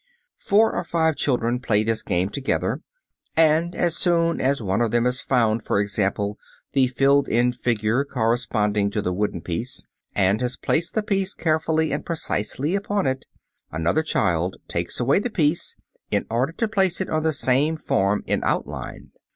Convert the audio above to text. Four or five children play this game together, and as soon as one of them has found, for example, the filled in figure corresponding to the wooden piece, and has placed the piece carefully and precisely upon it, another child takes away the piece in order to place it on the same form in outline.